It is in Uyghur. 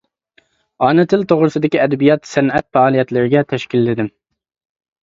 ئانا تىل توغرىسىدىكى ئەدەبىيات-سەنئەت پائالىيەتلىرىگە تەشكىللىدىم.